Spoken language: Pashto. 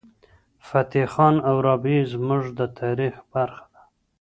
فتح خان او رابعه زموږ د تاریخ برخه ده.